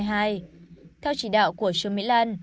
theo chỉ đạo của trương mỹ lan